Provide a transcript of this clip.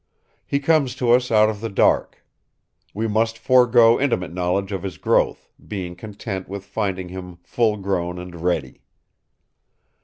He comes to us out of the dark. We must forego intimate knowledge of his growth, being content with finding him full grown and ready.